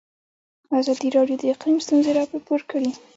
ازادي راډیو د اقلیم ستونزې راپور کړي.